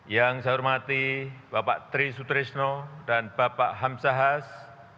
yang saya hormati bapak tri sutrisno dan bapak hamsahas